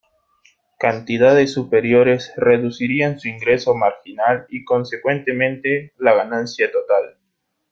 Cantidades superiores reducirían su ingreso marginal y, consecuentemente, la ganancia total.